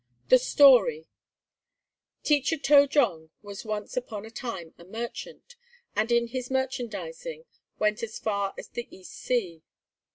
The Story Teacher To jong was once upon a time a merchant, and in his merchandising went as far as the East Sea.